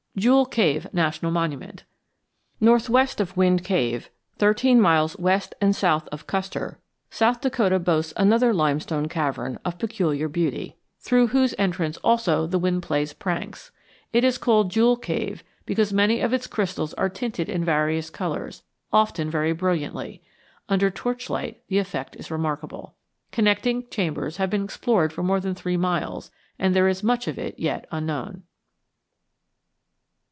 JEWEL CAVE NATIONAL MONUMENT Northwest of Wind Cave, thirteen miles west and south of Custer, South Dakota boasts another limestone cavern of peculiar beauty, through whose entrance also the wind plays pranks. It is called Jewel Cave because many of its crystals are tinted in various colors, often very brilliantly. Under torchlight the effect is remarkable. Connecting chambers have been explored for more than three miles, and there is much of it yet unknown.